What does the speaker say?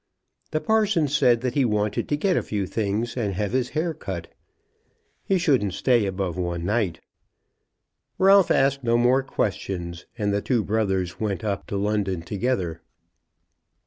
The parson said that he wanted to get a few things, and to have his hair cut. He shouldn't stay above one night. Ralph asked no more questions, and the two brothers went up to London together.